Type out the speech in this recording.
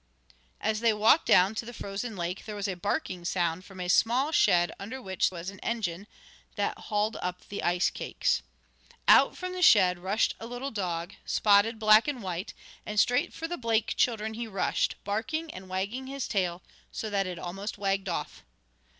As they walked down to the frozen lake, there was a barking sound from a small shed under which was an engine, that hauled up the ice cakes. Out from the shed rushed a little dog, spotted black and white, and straight for the Blake children he rushed, barking and wagging his tail so that it almost wagged off.